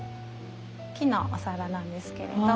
木のお皿なんですけれど。